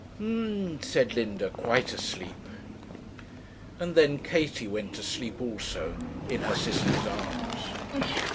'H'm'm'm,' said Linda, quite asleep. And then Katie went asleep also, in her sister's arms.